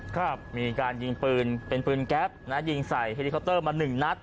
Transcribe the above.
ครับมีการยิงปืนเป็นปืนแก๊ปนะยิงใส่เฮลิคอปเตอร์มาหนึ่งนัด